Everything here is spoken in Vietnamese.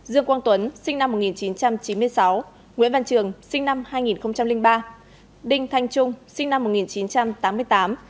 dương quang tuấn sinh năm một nghìn chín trăm chín mươi sáu nguyễn văn trường sinh năm hai nghìn ba đinh thanh trung sinh năm một nghìn chín trăm tám mươi tám